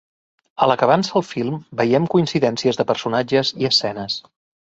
A la que avança el film, veiem coincidències de personatges i escenes.